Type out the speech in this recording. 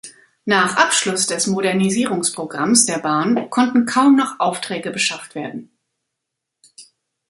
Nach Abschluss des Modernisierungsprogramms der Bahn konnten kaum noch Aufträge beschafft werden.